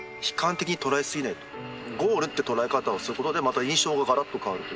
ゴールって捉え方をすることでまた印象ががらっと変わると。